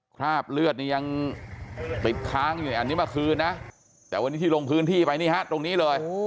คราบเลือดนี่ยังติดค้างอยู่อันนี้เมื่อคืนนะแต่วันนี้ที่ลงพื้นที่ไปนี่ฮะตรงนี้เลย